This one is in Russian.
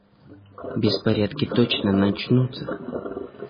Беспорядки точно начнутся.